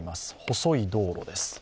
細い道路です。